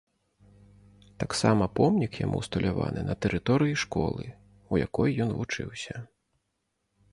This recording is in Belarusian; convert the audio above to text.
Таксама помнік яму ўсталяваны на тэрыторыі школы, у якой ён вучыўся.